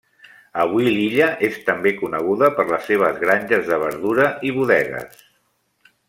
Avui l'illa és també coneguda per les seves granges de verdura i bodegues.